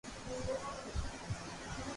ماري تين اولاد ھي